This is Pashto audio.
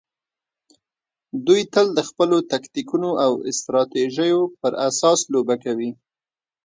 دوی تل د خپلو تکتیکونو او استراتیژیو پر اساس لوبه کوي.